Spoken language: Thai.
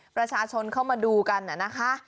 ประชาชนเข้ามาดูกันนะคะ